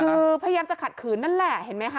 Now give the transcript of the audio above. คือพยายามจะขัดขืนนั่นแหละเห็นไหมคะ